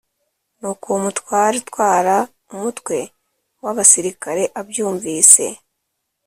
Nuko uwo mutware utwara umutwe w abasirikare abyumvise